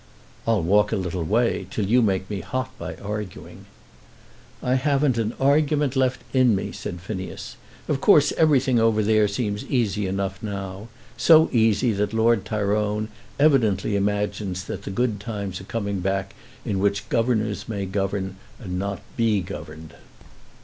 "I'll walk a little way, till you make me hot by arguing." "I haven't an argument left in me," said Phineas. "Of course everything over there seems easy enough now, so easy that Lord Tyrone evidently imagines that the good times are coming back in which governors may govern and not be governed."